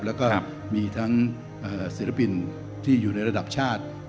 แล้วก็มีทั้งศิลปินที่อยู่ในระดับชาติ